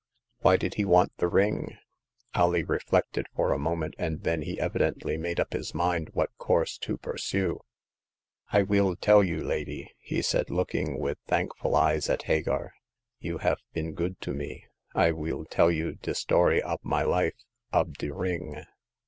Why did he want the ring ?*• Alee reflected for a moment, and then he evidently made up his mind what course to pur sue. I weel tell you, lady,'* he said, looking with thankful eyes at Hagar. You haf been good to me. I weel tell you de story ob my life — ob de ring.''